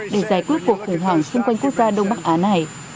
để giải quyết cuộc khủng hoảng xung quanh quốc gia đông bắc á này